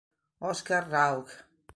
Oscar Rauch